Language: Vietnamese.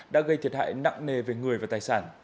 đã gây thiệt hại nặng nề về người và tài sản